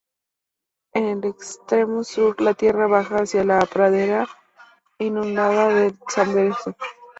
En el extremo sur la tierra baja hacia la pradera inundada del Zambeze.